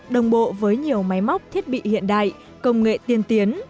đồng bộ với nhiều máy móc thiết bị hiện đại công nghệ tiên tiến